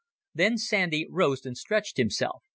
Then Sandy rose and stretched himself.